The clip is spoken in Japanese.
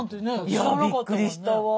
いやびっくりしたわ。